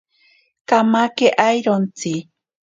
Kamake airontsi.